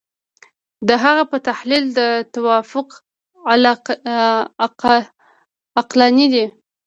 د هغه په تحلیل دا توافق عقلاني دی.